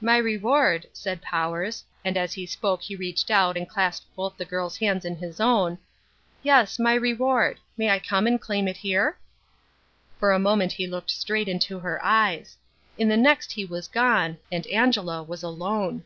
"My reward," said Powers, and as he spoke he reached out and clasped both of the girl's hands in his own, "yes, my reward. May I come and claim it here?" For a moment he looked straight into her eyes. In the next he was gone, and Angela was alone.